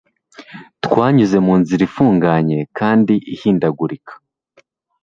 Twanyuze mu nzira ifunganye kandi ihindagurika.